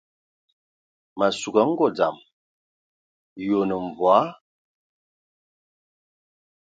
Ma sug a ngɔ dzam, yi onə mvɔí ?